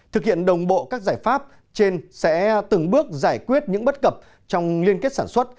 thực hiện đồng bộ các giải pháp trên sẽ từng bước giải quyết những bất cập trong liên kết sản xuất